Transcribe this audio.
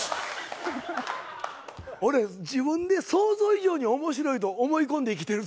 俺自分で想像以上に面白いと思い込んで生きてるぞ。